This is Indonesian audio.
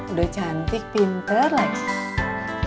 udah cantik pinter lex